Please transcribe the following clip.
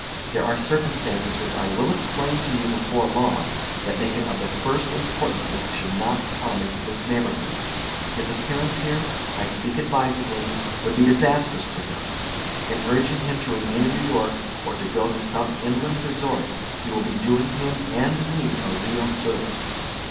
There are circumstances, which I will explain to you before long, that make it of the first importance that he should not come into this neighborhood. His appearance here, I speak advisedly, would be disastrous to him. In urging him to remain in New York, or to go to some inland resort, you will be doing him and me a real service.